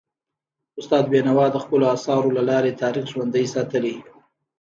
استاد بینوا د خپلو اثارو له لارې تاریخ ژوندی ساتلی.